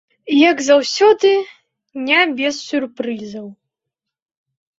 І як заўсёды, не без сюрпрызаў.